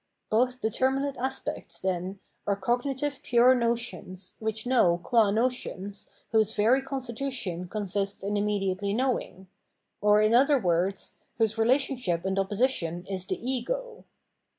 Both determinate aspects, then, are cognitive pure notions which know qua notions, whose very constitution con sists in immediately knowing, or, in other words, whose relationship and opposition is the Ego.